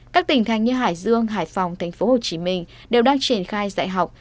các tỉnh thành như hải dương hải phòng tp hcm đều đang triển khai dạy học